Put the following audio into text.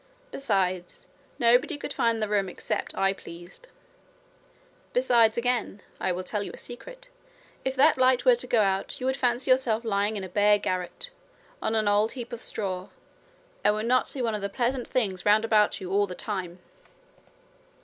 Besides, nobody could find the room except I pleased. Besides, again I will tell you a secret if that light were to go out you would fancy yourself lying in a bare garret, on a heap of old straw, and would not see one of the pleasant things round about you all the time.'